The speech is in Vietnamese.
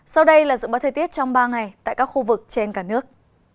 sau đây là dự báo thời tiết trong ba ngày tại các khu vực trên cả nước